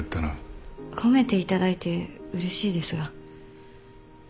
褒めていただいてうれしいですが。